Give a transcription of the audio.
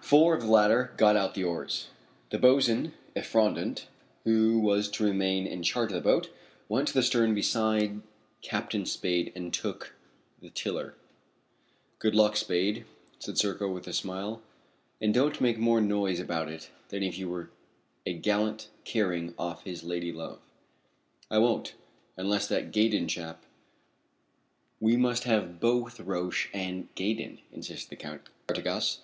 Four of the latter got out the oars. The boatswain, Effrondat, who was to remain in charge of the boat, went to the stern beside Captain Spade and took the tiller. "Good luck, Spade," said Serko with a smile, "and don't make more noise about it than if you were a gallant carrying off his lady love." "I won't unless that Gaydon chap " "We must have both Roch and Gaydon," insisted the Count d'Artigas.